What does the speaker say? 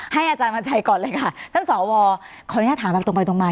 อาจารย์วันชัยก่อนเลยค่ะท่านสวขออนุญาตถามแบบตรงไปตรงมา